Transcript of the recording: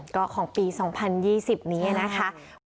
ก็ของปี๒๐๒๐นี้นะคะ